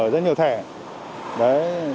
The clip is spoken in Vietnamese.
rất nhiều thẻ